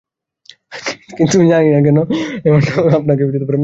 কিন্তু জানি না কেন এমনটা মনে হলো আপনাকে তো বলতেই হবে।